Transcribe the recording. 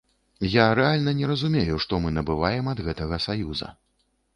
Я рэальна не разумею, што мы набываем ад гэтага саюза.